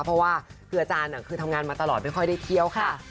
เพราะว่าคืออาจารย์คือทำงานมาตลอดไม่ค่อยได้เที่ยวค่ะ